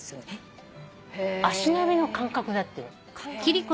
足の指の感覚だって。